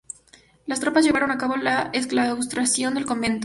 Las tropas llevaron a cabo la exclaustración del convento.